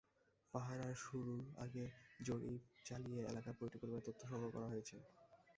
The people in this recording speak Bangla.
পাহারা শুরুর আগে জরিপ চালিয়ে এলাকার প্রতিটি পরিবারে তথ্য সংগ্রহ করা হয়েছে।